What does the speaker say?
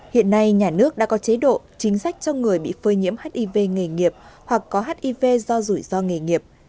hiện nay nhà nước đã có chế độ chính sách cho người bị phơi nhiễm hiv nghề nghiệp hoặc có hiv do rủi ro nghề nghiệp